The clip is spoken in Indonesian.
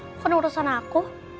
bukan urusan aku